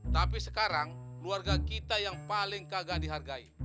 tapi sekarang keluarga kita yang paling kagak dihargai